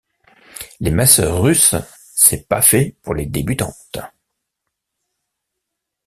Les masseurs russes, c’est pas fait pour les débutantes.